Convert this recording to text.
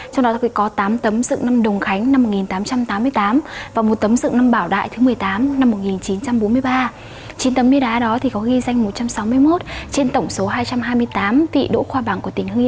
trong đó có tám tấm dựng năm đồng khánh